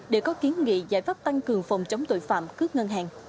để có kiến nghị giải pháp tăng cường phòng chống tội phạm cướp ngân hàng